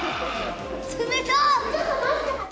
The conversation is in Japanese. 冷たい！